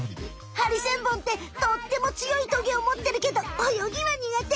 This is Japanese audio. ハリセンボンってとってもつよいトゲをもってるけど泳ぎはにがて。